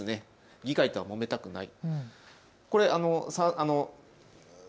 議会とはもめたくない。